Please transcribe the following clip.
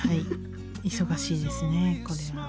忙しいですねこれはもう。